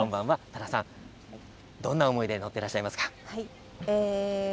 多田さん、どんな思いで乗っていらっしゃいますか。